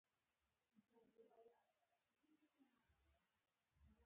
پخوا خلکو د ازغي تجربه ليدلې وه.